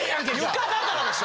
床だからでしょ。